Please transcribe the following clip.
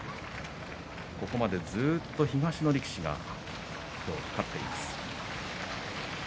ここまで、ずっと東の力士が今日は勝っています。